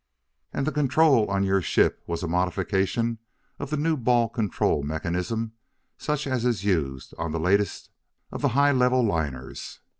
"And the control on your ship was a modification of the new ball control mechanism such as is used on the latest of the high level liners?"